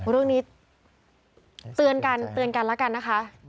เรื่องนี้เตือนกันแล้วกันนะคะ